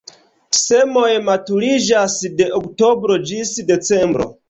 Semoj maturiĝas de oktobro ĝis decembro.